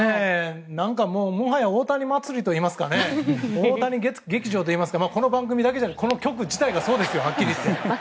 もはや大谷祭りといいますか大谷劇場といいますかこの番組だけじゃなくこの局自体がそうですよはっきり言って。